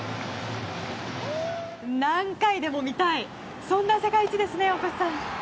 何回でも見たいそんな世界一ですね。